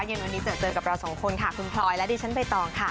เย็นวันนี้เจอเจอกับเราสองคนค่ะคุณพลอยและดิฉันใบตองค่ะ